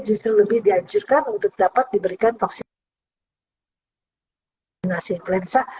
justru lebih dianjurkan untuk dapat diberikan vaksinasi influenza